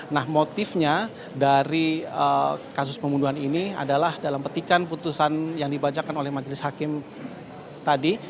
nah motifnya dari kasus pembunuhan ini adalah dalam petikan putusan yang dibacakan oleh majelis hakim tadi